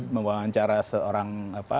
membawang wawancara seorang